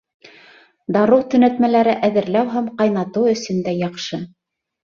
Дарыу төнәтмәләре әҙерләү һәм ҡайнатыу өсөн дә яҡшы.